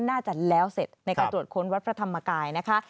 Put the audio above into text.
น่าจะแล้วเสร็จในการตรวจค้นวัดพระธรรมกายนะคะ